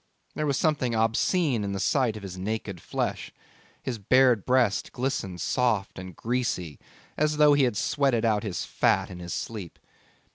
There was something obscene in the sight of his naked flesh. His bared breast glistened soft and greasy as though he had sweated out his fat in his sleep.